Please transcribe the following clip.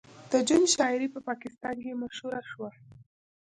د جون شاعري په پاکستان کې مشهوره شوه